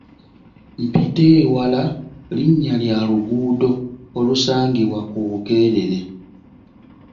Mpiteewala linnya lya luguudo olusangibwa ku Bukeerere .